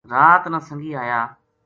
رات نا سنگی ایا